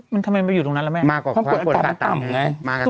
มันทำไมมันอยู่ตรงนั้นแล้วแม่มากกว่าความกลอดอากาศต่ำไงมากกว่าความกลอดอากาศต่ำไง